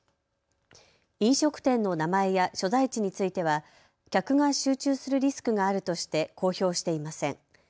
飲食店の名前や所在地については客が集中するリスクがあるとして公表していません。